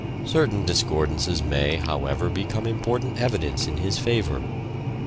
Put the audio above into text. Certain discordances may, however, become important evidence in his favour.